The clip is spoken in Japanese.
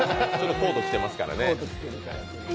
コート着てるからね。